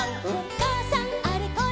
「かあさんあれこれ